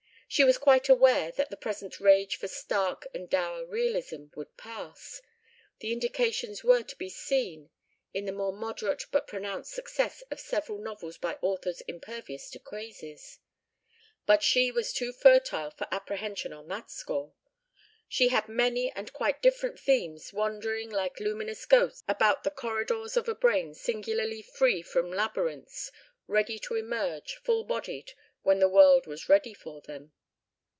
She was quite aware that the present rage for stark and dour realism would pass the indications were to be seen in the more moderate but pronounced success of several novels by authors impervious to crazes but she was too fertile for apprehension on that score. She had many and quite different themes wandering like luminous ghosts about the corridors of a brain singularly free from labyrinths, ready to emerge, full bodied, when the world was ready for them.